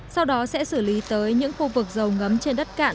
sau đó sẽ xử lý tới những khu vực dầu ngấm trên đất cạn